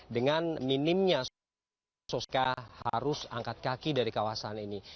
dengan minimnya soska harus angkat kaki dari kawasan ini